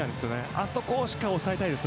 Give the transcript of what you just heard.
あそこをしっかり抑えたいです。